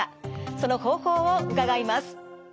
その方法を伺います。